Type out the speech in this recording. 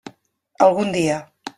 Algun dia.